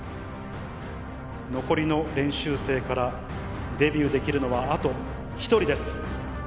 残りの練習生からデビューできるのはあと１人です。